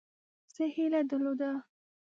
زه هیله درلوده.